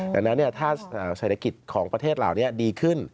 ดังนั้นถ้าเศรษฐกิจของประเทศเหล่านี้ดีขึ้น